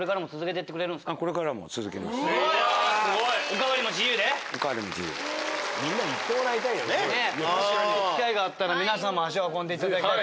行く機会があったら皆さんも足を運んでいただきたい。